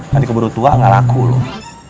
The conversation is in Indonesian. nanti keburu tua gak laku loh